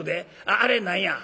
あれ何や？」。